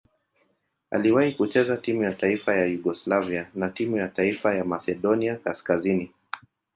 Aliwahi kucheza timu ya taifa ya Yugoslavia na timu ya taifa ya Masedonia Kaskazini.